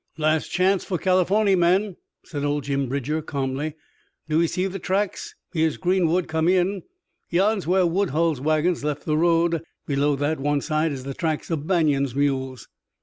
"Last chance for Californy, men," said old Jim Bridger calmly. "Do ee see the tracks? Here's Greenwood come in. Yan's where Woodhull's wagons left the road. Below that, one side, is the tracks o' Banion's mules."